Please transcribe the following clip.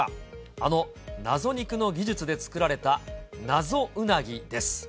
あの謎肉の技術で作られた謎うなぎです。